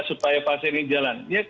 supaya vaksin ini jalan